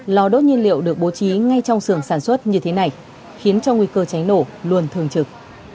lò đốt nhiên liệu được bố trí ngay trong sưởng sản xuất như thế này khiến cho nguy cơ cháy nổ luôn thường trực